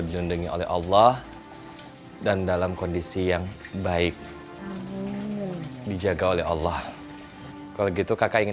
dijundengi oleh allah dan dalam kondisi yang baik dijaga oleh allah kalau gitu kakak ingin